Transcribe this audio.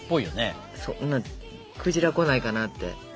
そうクジラ来ないかなって？